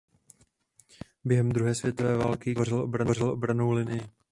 Během druhé světové války kanál tvořil obranou linii.